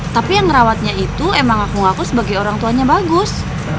tapi yang merawatnya itu emang aku aku sebagai orang tuanya bagus